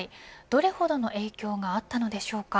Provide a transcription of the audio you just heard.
どれほどの影響があったのでしょうか。